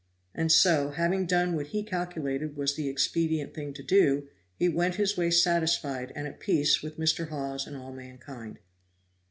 And so, having done what he calculated was the expedient thing to do, he went his way satisfied and at peace with Mr. Hawes and all mankind.